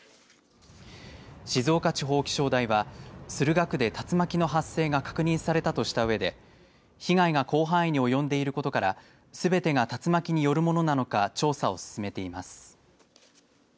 静岡地方気象台は駿河区で竜巻の発生が確認されたとしたうえで被害が広範囲に及んでいることからすべてが竜巻によるものなのか調査を進めています。